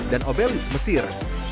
dan obelis mesir